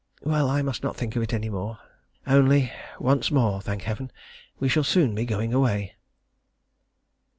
Well, I must not think of it any more. Only, once more, thank Heaven! we shall soon be going away.